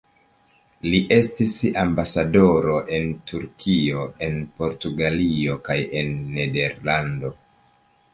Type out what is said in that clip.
Li estis ambasadoro en Turkio, en Portugalio kaj en Nederlando.